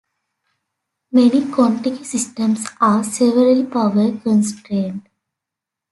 Many Contiki systems are severely power-constrained.